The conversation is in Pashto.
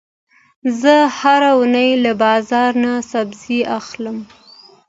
زه هره اونۍ له بازار نه سبزي اخلم.